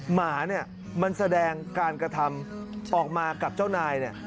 หมาเนี่ยมันแสดงการกระทำออกมากับเจ้านายเนี่ย